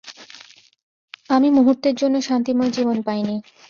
আর আমি মুহূর্তের জন্যও শান্তিময় জীবন পাইনি।